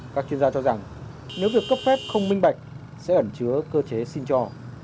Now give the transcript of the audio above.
các chuyên gia cho rằng nếu việc cấp phép không minh bạch sẽ ẩn chứa cơ chế xin cho